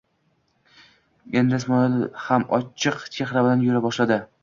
Endi Ismoil ham ochiq chehra bilan yura boshladi.